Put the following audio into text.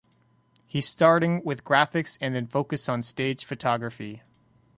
He starting with graphics and then focused on staged photography.